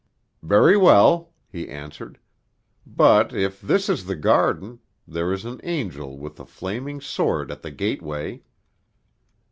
"Very well," he answered; "but if this is the garden, there is an angel with a flaming sword at the gateway.